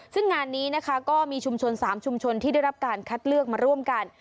ซึ่งงานนี้นะคะก็มีชุมชน๓ชุมชนที่ได้รับการคัดเลือกมาร่วมกัน